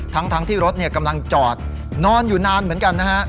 ทั้งที่รถกำลังจอดนอนอยู่นานเหมือนกันนะฮะ